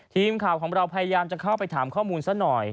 ทีมข่าวของเราพยายามจะเข้าไปถามข้อมูลซะหน่อย